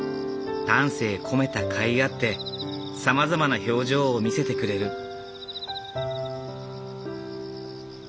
丹精込めたかいあってさまざまな表情を見せてくれる。